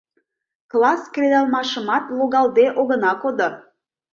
Класс кредалмашымат логалде огына кодо.